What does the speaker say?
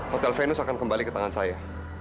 hotel venus akan kembali ke tangan saya